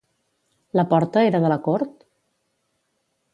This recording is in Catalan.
La porta era de la cort?